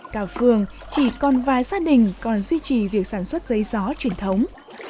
cả phương chỉ còn vài gia đình còn duy trì việc sản xuất giấy gió truyền thống